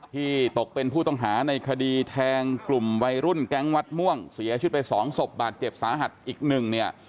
ที่ตกเป็นผู้ต้องหาในคดีแทงกลุ่มวัยรุ่นแก๊งวัดม่วงเสียชีวิตไปสองศพบาดเจ็บสาหัสอีกหนึ่งเนี่ย